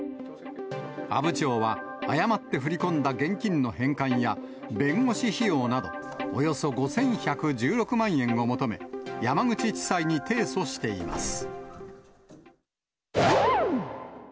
阿武町は、誤って振り込んだ現金の返還や、弁護士費用など、およそ５１１６万円を求め、山口地裁に提訴しています。